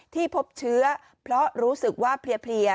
พบเชื้อเพราะรู้สึกว่าเพลีย